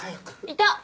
いた！